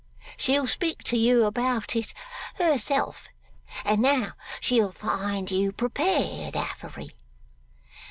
She'll speak to you about it herself, and now she'll find you prepared, Affery."